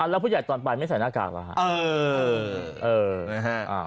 แล้วผู้ใหญ่ตอนไปไม่ใส่หน้ากากเหรอครับ